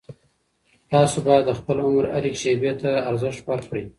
تاسو باید د خپل عمر هرې شېبې ته ارزښت ورکړئ.